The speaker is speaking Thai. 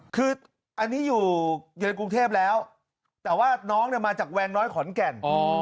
คืออันนี้อยู่เยือนกรุงเทพแล้วแต่ว่าน้องเนี่ยมาจากแวงน้อยขอนแก่น